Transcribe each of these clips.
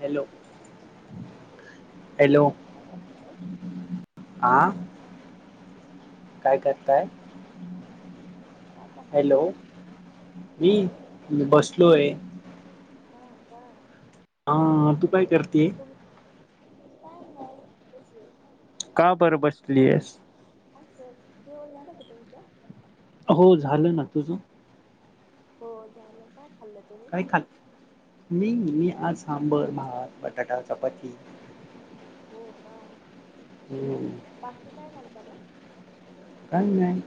Hello hello काय करताय ओ? आं काय करताय? काय करता हॅलो, तुम्ही? मी हॅलो मी बसलोय. हा का हा. तू काय करतेय? काही नाही बसले का बर बसलीयस? असंच जेवण झालं का तुमचं? हो झालं ना. तुझं? हो झालं पण काय खात मी-मी आज सांबर, भात, बटाटा, चपाती हो का हम्म बाकी काय म्हणता मग काही नाही.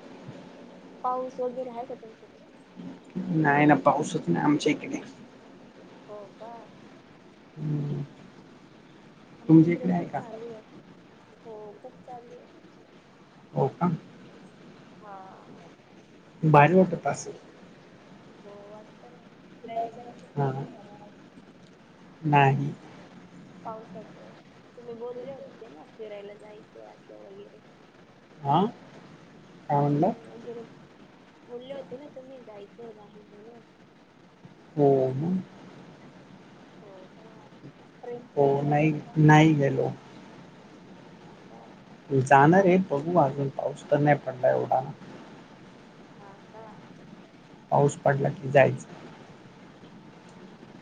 पाऊस वगैरे हाय का तुमच्याकडं? नाही ना पाऊसच नाही आमच्या इकडे हो का हम्म आमच्या तुमच्या इकडे आहे खूप का चालू आहे. हो खूप चालु हे हो का हा भारीट पा अस हो वाटत ना नलतयत हा नला नाही आहे नाही पावसाच तुम्ही बोलले होते ते ना फिरायला जायचंय असं वगैरे आा वगैरे बोलले होते ना तुम्ही जायचं बाहेर बोल हो हो हो का ट्रेन हो ट्रेन नाही नाही गेलो हो का जाणारे बघू अजून पाऊस तर नाही पडलाय उढाणा हा का पाऊस पडला की जायच ह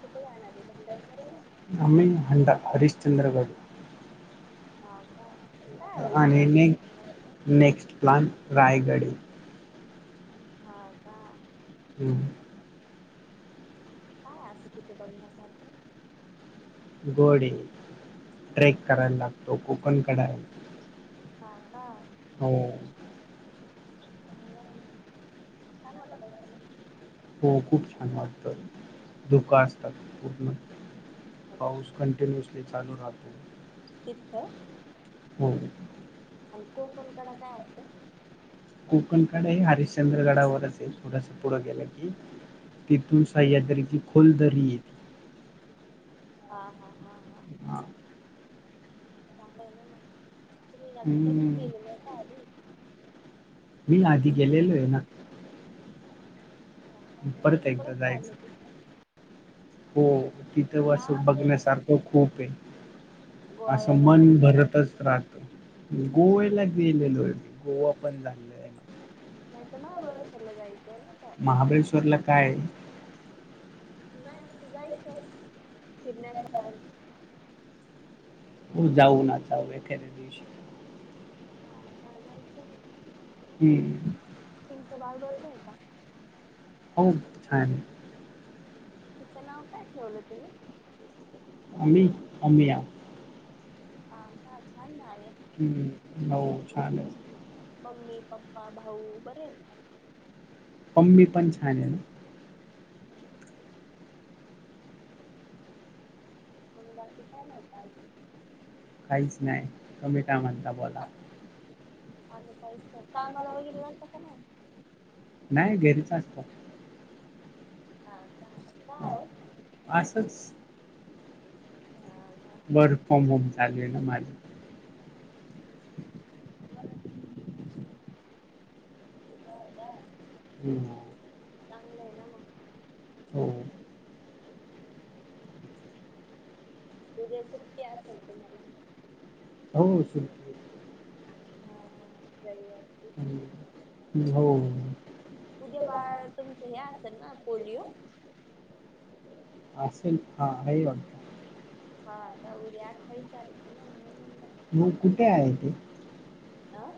कुठे जाणार आहे भंडण मम्मी नमिन हड हरीिश्चंद्र गड हाऊ का काय हो तिथं आणि असं न बघण्यासारखं नेक्स्ट प्लान रायगडी ह का हम्म काय असं तिथे बघण्यासारखं गोडे ट्रेक करायला लागतो ओपन करायला लागतो ह का हो चांगलं छान वाट असेल हो खूप छान वाटत धुक असतात हो पाऊस कंटिन्युअसली चालू राहतो तिथ हो आणि कोकणकड काय असत कोकणकडे हरिश्चंद्र गडावरचेल थोडस पुढं गेलं की तिथून सह्याद्री की खोलदरी य हा हा हा हा ह हां चांलं आहे ना म तुम् आता कधीच हम्म. गेले नाही का आधी मी ना आधी गेलेलो आहे ना अ्छ तुम्ही एकदा परत जायचं चालय ति हो तिथं वसून जायचं बघण्यासारखं खूप आहे असं गोव्याला मन जायचं ना भरतच राहत गोव्याला गेलेलो मी गोवा उत्पन झालं आहे महाभवेशाला जायचं आहे ना का महाबळेश्वरला काय आहे? नाही असं जायचं फिरण्याच्या का हो जाऊ ना जाऊ एखाद्या दिसवशी हा का जायचं ना हम्म. तुमचं बारबर हो छान तिचं नाव काय ठेवलं तुम्ही आमी आम्ही या हा का छान ना हम्म हो छान आहे. मम्मी, पप्पा, भाऊ बरे आहेत का. मम्मी पण छान आहे. हम् [inaudible] आणि बाकी काय मग काय म्हणताय. काहीच नाही. तूम्ही काय म्हणता बोला, आणि काय कामाला वगैरे जाता का नाही. नाही घरीच असतो हा का का ओ असं च हा का फ्रॉम होम चालू आहे ना माझं ह [unintelligible] हो का हम्म चांगलं आहे ना मग हो उद्या सुट्टी असेल तुम्हाला हो सुट्टी हा ह जाईल. हो उद्या बाळ तुमच हे असेल ना पोलिओ असेल हा आहे वाटत. हा का आठावीस तारीख आहे ना. मग कुठे आहे ते. आह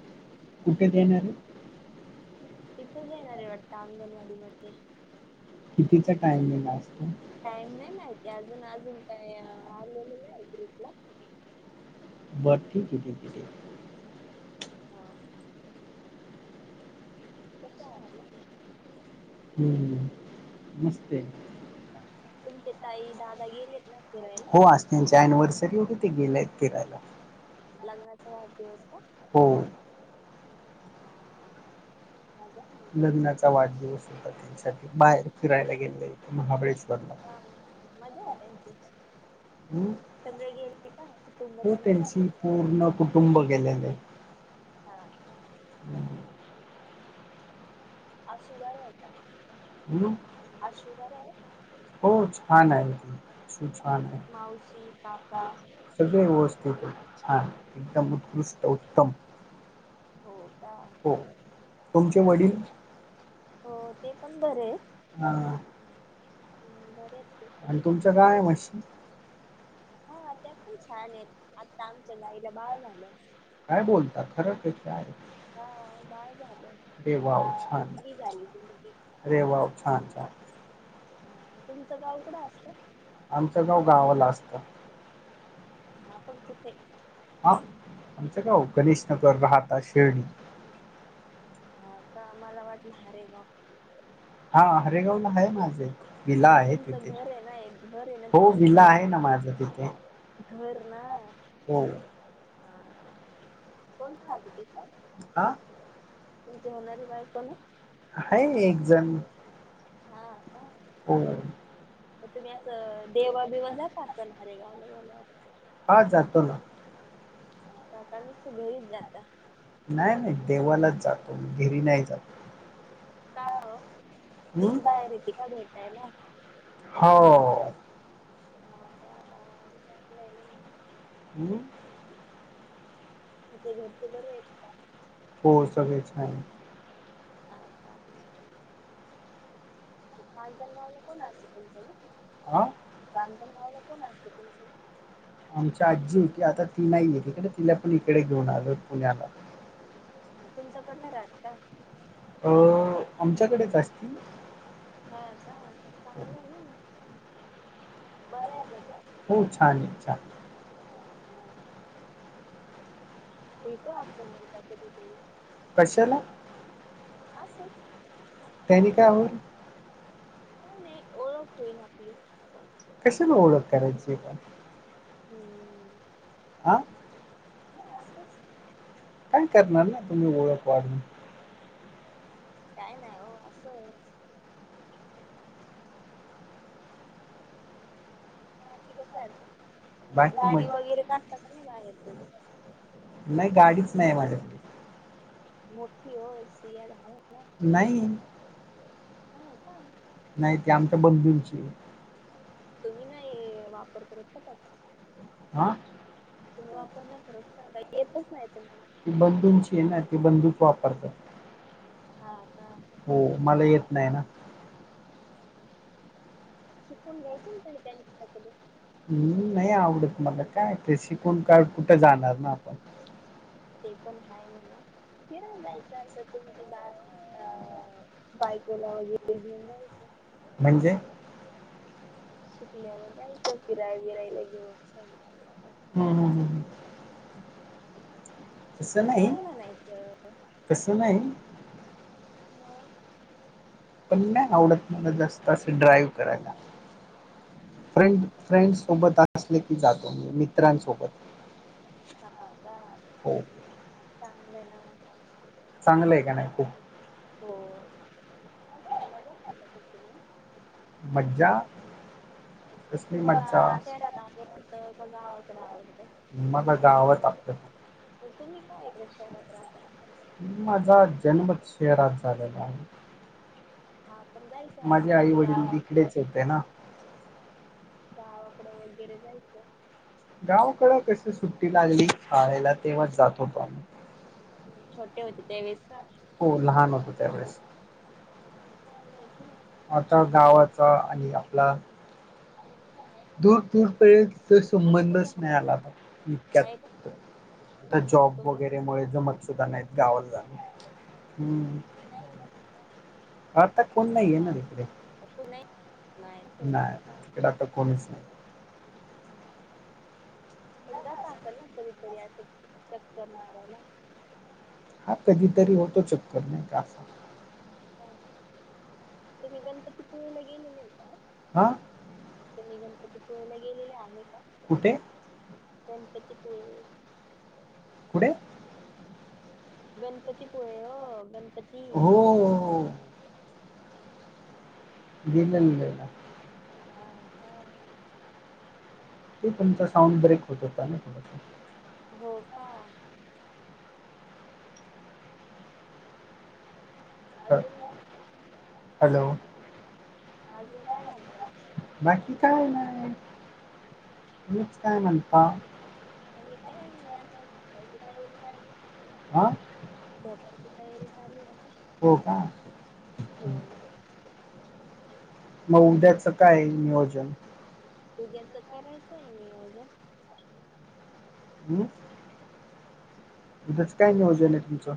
कुठं देणार हाय. इथंच येणार आहे वाटत अंगणवाडी मध्ये, कितीचा टाइम गेला असता. टाईम नाही माहीती अजून अजून काय आलेलं नाही ग्रुपला बरं ठीक आहे ठीक आहे ठीक हा कसे आहात. हम्म मस्त तुमचे ताई दादा गेलेत ना. फिरायला हो आज त्यांच्या एनिव्हर्सरी होते ते गेलेय फिरायला. लग्नाचा वाढदिवस का हो हा मजा आहे मग त्यांची लग्नाचा वाढदिवस होता त्यांच्या बाहेर फिरायला गेलेत. महाबळेश्वरला थकू [inaudible] कुटुंब हो त्यांचं त्यांची पूर्ण कुटुंब गेलेले. अच्छा आशु घरी आहे आता. हम् आशु वर आहे छान आहे शू छान आहे. मावशी काका सगळ व्यवस्थित आहे. छान आहे. एकदम उत्कृष्ट उत्तम हो का हो तुमचे वडील हो ते पण बरे आहेत. हा.. हम्म बरे आहेत ते आणि पण तुमचं काय? म्हशी हा ते पण छान! आहेत आता आमच्या गाईला बाळ झालं. काय बोलता खरं क काय? हा बाळ झाल आ जिलबी झाली अरे वाव छान छान तुमचं गाव कुठं असत? आमच गाव गावाला असत. ना आपण कुठे? हा आशेडी [inaudible] हा का? आम्हाला वाटलं हरेगाव. हा हरेगऊला आहे माझे विला आहे तुमचं तिथे घर आहे ना एक घर आहे ना हो तिथं विला आहे घर ना माझ तिथे. घर ना. हम् हा कोण [unintelligible] तिथ आ.. [inaudible] तुमची होणारी बायको ना? आहे एकजण. हा आ का? हो.. तर तुम्ही असं देवा बिवण जात असता हारेगावला गेल्या असं हा जातो ना जाताना सगळीच जाता? नाही नाही देवालाच जातो घरी नाही जात का तीच बाहेर येत का भेटायला? हो..... हो का [unintelligible] चांगल आहे. हम् तुच्या घरचे बरे आहेत का? हो सगळे छान आहेत ह का? आणि मांजणगाव ला कोण असत तुमचं आ.. माणजंणगावला कोण असतं तुमच? आमची आजी होती आता ती नाही आहे तकडे तिला पण इकडे घेऊन आलो पुण्याला. तुमचा कड नाही राहात का? अ आमच्याकडेच असतील हा का चांगलं आहे ना बरे आहेत त्या हो छान! छान? आहे हो का? भेटू आपण एकदा कधी करी? [inaudible] कशाला? असंच त्यांनी काय होईल. काय नाही ओळख होईल आपली कशाला ओळख करायची [inaudible] हम् [inaudible] नाही असंच काय करणार ना तुम्ही ओळख वाढून काय ना हो असं आहे बाकी कश बाकी गाडी मग वगैरे कातातात नाही बाहेर तझ नाही गाडीच नाही माझ्याक मोठी हो सयार आहे नाही हो का नाही ते आमच्या बंधूंची तुम्ही ना वापरतत का त्याचा हा तुम्ही वापर नाही करत का काही येतच नाही तुम्हा ती बंधूंची आहे ना ती बंधूच वापरतात हा का हो मला येत नाही ना. शिकून घ्यायच ना त त्यांच्याकडे. हम् नाही आवडतु मला काय क शिकण काळ कुठं जाणार ना आपण, ते पण आहे ना ना फिरण जायचं असं तु बा अ, बायकोला वगैरे घेऊन जायचं. म्हणजे शिकल्यावर जायचं फिरायला फिरायला घेऊन. हम्म हम् हम् हम ह कसं नाही कसं नाही. मग पण नाही आवडत मला जास्त असं ड्राईव करायला. फ्रें फ्रेंड सोबत असले की जातो मी मित्रांसोबत, ह का हो चांगलं आहे ना. चांगला आहे का नाही खूप. हो मजा मजा करत असशिला मज्जा कसली तुम्हाला मज्जा शहरला आवडतं का गावाकडे आवडतं. मला गावात आपल, ग तुम्ही काय एक शहरात राहता. माझा जन्मच शेहरात झालेला आहे. हा पण जायचं असं माझे आई कधी वडील गावात इकडेच होते ना. गावाकडं वगैरे जायचं. गावकड कशी सुट्टी लागली शाळेला तेव्हाच जात होतो आम्ही. छोटे होते त्यावेळेस का? हो लहान होतं त्यावेळेस. हा चांगलं आहे की म, आता गावाचा आणि आपला दूर दूरपर्यंत आता कुणी संबंधच नाही आला आहे का इतक्यात, आता नाही तिथं जॉब तुझं वगैरे मुळे जमत सुधा नाहीत गावाात जाण, हम्म आता कोण नाही आहे ना हा तिकडे. का नाही नाही कोणती नाही तिकड आता कोणच नाही. हम् पण जात असेल ना कधीतरी असं चक्कर मारायला. हा कधीतरी होतो चक्कर नाही काा, ह तुम्ही गणपतीपुळेला गेले नाही का? हां तुमी गणपतीपुळेला गेलेले आहे का? कुठे? गणपतीपुळे. कुठे? गणपतीपोळे हो गण हो-हो-ओ गेलेल्लय ना. हां कां ते तुमचा साऊंड ब्रेक होत होता नई थोडसा. हो का आजून ना, हॅलो आजून काय म्ह बाकी काय नाई. मीच काय म्हणताव? हमी काय नई आता झोपायची तयारी चाल्ली. हां प्रॉपरची तयारी चालूए आत् हो का अं हं मग उद्याचं काये नियोजन? उद्याचं करायचंय नियोजन चांगले. हम्म? उद्याच् काय नियोजनए तुमचं?